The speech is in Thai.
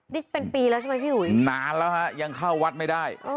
นี่เป็นปีแล้วใช่ไหมพี่อุ๋ยนานแล้วฮะยังเข้าวัดไม่ได้